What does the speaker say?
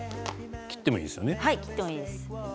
切ってもいいんですよね。